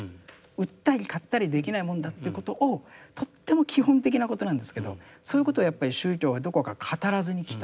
売ったり買ったりできないもんだということをとっても基本的なことなんですけどそういうことをやっぱり宗教はどこか語らずにきた。